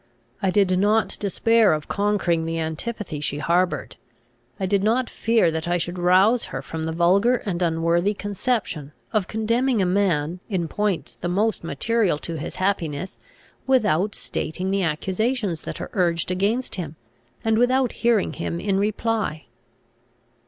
I did not despair of conquering the antipathy she harboured. I did not fear that I should rouse her from the vulgar and unworthy conception, of condemning a man, in points the most material to his happiness, without stating the accusations that are urged against him, and without hearing him in reply.